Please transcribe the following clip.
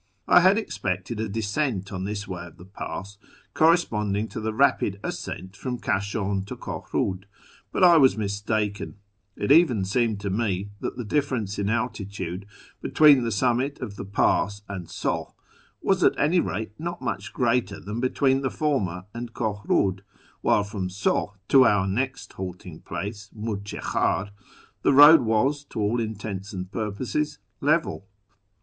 I had expected a descent on this side of the pass corresponding to the rapid ascent from Kashan to Kohrud, but I was mistaken : it even seemed to me that the difference in altitude between the summit of the pass and Soh was at any rate not much greater than between the former and Kohrud, while from Soh to our next halting place, Miirchekhar, the road was, to all intents and purposes, level.